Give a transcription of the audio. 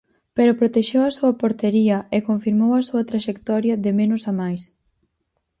Pero protexeu a súa portería e confirmou a súa traxectoria de menos a máis.